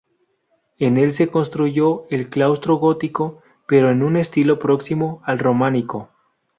En el se construyó el claustro gótico pero en un estilo próximo al románico.